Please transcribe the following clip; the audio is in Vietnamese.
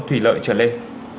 thủy lợi trở lên